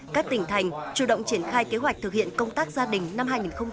các tỉnh thành chủ động triển khai kế hoạch thực hiện công tác gia đình năm hai nghìn hai mươi